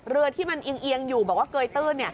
เรือที่มันเอียงอยู่บอกว่าเกยตื้น